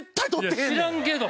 いや知らんけど。